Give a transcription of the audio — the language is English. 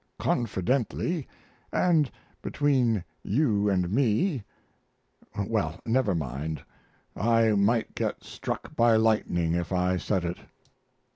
Confidently, & between you & me well, never mind, I might get struck by lightning if I said it.